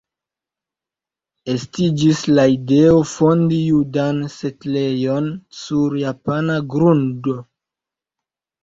Estiĝis la ideo fondi judan setlejon sur japana grundo.